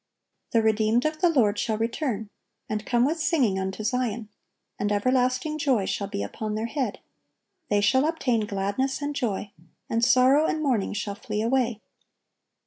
"The redeemed of the Lord shall return, and come with singing unto Zion; and everlasting joy shall be upon their head: they shall obtain gladness and joy; and sorrow and mourning shall flee away.